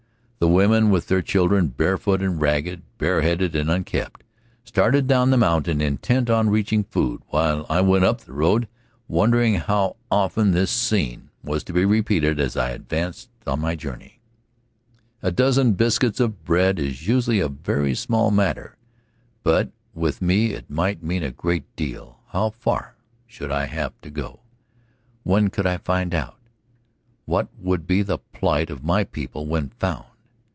The women with their children, barefoot and ragged, bareheaded and unkempt, started down the mountain, intent on reaching food, while I went up the road wondering how often this scene was to be repeated as I advanced on my journey. [Illustration: Edward S. Curtis White River in the upper reaches is a roaring torrent.] A dozen biscuits of bread is usually a very small matter, but with me it might mean a great deal. How far should I have to go? When could I find out? What would be the plight of my people when found?